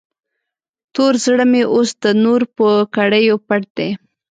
تور زړه مې اوس د نور په کړیو پټ دی.